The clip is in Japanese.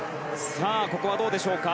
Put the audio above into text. ここはどうでしょうか。